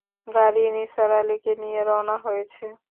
গাড়ি নিসার আলিকে নিয়ে রওনা হয়েছে।